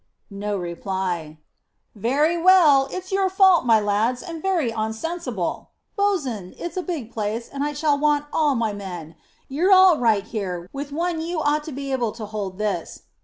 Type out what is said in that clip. No reply. "Very well. It's your fault, my lads, and very onsensible. Bo's'n, it's a big place, and I shall want all my men. You're all right here; with one you ought to be able to hold this."